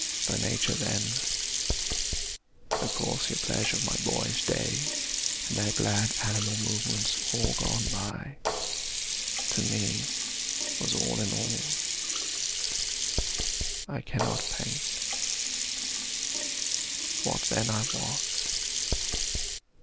For nature then (The coarser pleasures of my boyish days, And their glad animal movements all gone by) To me was all in all. I cannot paint What then I was.